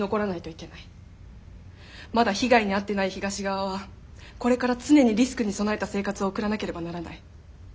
まだ被害に遭ってない東側はこれから常にリスクに備えた生活を送らなければならない。